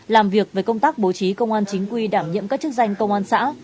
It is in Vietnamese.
làm việc về công tác bố trí công an chính quy đảm nhiệm các chức danh công an xã